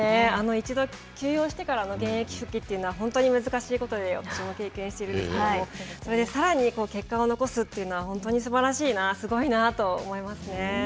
一度、休養してからの現役復帰は本当に難しいことで、私も経験してるんですけども、それでさらに結果を残すというのは本当にすばらしいな、すごいなと思いますね。